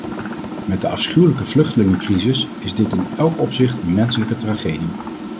Met de afschuwelijke vluchtelingencrisis is dit in elk opzicht een menselijke tragedie.